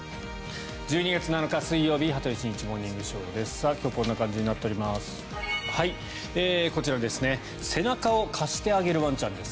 １２月７日、水曜日「羽鳥慎一モーニングショー」。今日はこんな感じになっております。